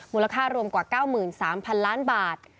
มูลค่ารวมกว่า๙๓๐๐๐ล้านบาท